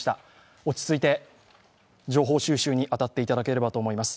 落ち着いて情報収集に当たっていただければと思います。